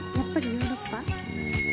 ヨーロッパ。